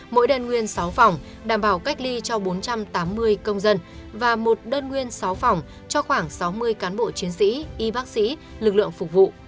mỗi đơn nguyên sáu phòng đảm bảo cách ly cho bốn trăm tám mươi công dân và một đơn nguyên sáu phòng cho khoảng sáu mươi cán bộ chiến sĩ y bác sĩ lực lượng phục vụ